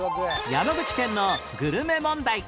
山口県のグルメ問題